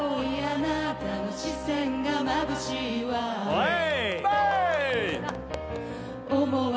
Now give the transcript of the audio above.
はい！